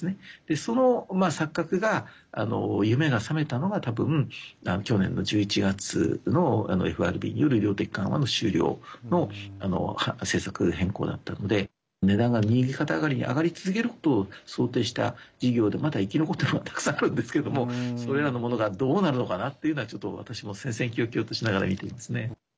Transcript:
その錯覚が、夢が覚めたのが多分去年の１１月のＦＲＢによる量的緩和の終了の政策変更だったので値段が右肩上がりに上がり続けることを想定した事業でまだ生き残っているものはたくさんあるんですけれどもそれらのものがどうなるのかな？というのは、ちょっと私も戦々恐々としながら見ていますね。